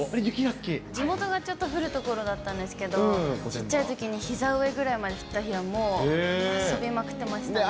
地元がちょっと降る所だったんですけど、ちっちゃいときに、ひざ上ぐらいまで降った日はもう、遊びまくってましたね。